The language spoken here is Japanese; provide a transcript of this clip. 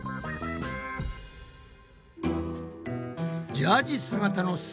ジャージ姿のす